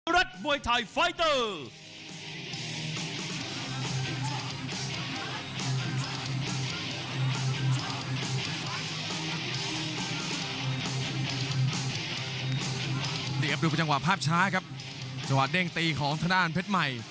เรียบดูประจังหวะภาพช้าครับเจ้าหาดเด้งตีของทนารเพชรใหม่